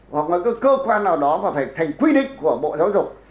hoặc là cơ quan nào đó và phải thành quy định của bộ giáo dục